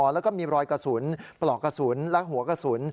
แล้วก็มีรอยกระสุนปลอกกระสุนและหัวกระสุน